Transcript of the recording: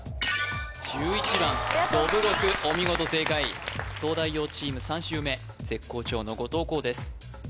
お見事正解東大王チーム３周目絶好調の後藤弘です